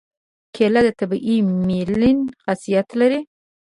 کېله د طبیعي ملین خاصیت لري.